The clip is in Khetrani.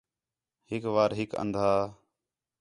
ہک وار ہِک اندھا